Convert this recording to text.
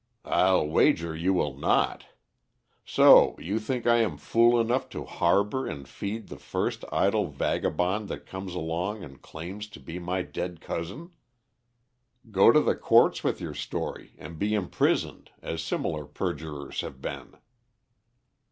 "I'll wager you will not. So you think I am fool enough to harbour and feed the first idle vagabond that comes along and claims to be my dead cousin. Go to the courts with your story and be imprisoned as similar perjurers have been."